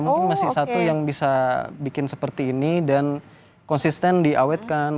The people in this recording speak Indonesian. mungkin masih satu yang bisa bikin seperti ini dan konsisten diawetkan